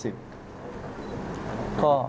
จนเราเข้าใจ